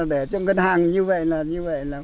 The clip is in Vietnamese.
để cho ngân hàng như vậy là